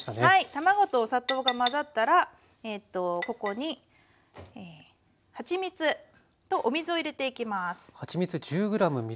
卵とお砂糖が混ざったらここにはちみつとお水を入れていきます。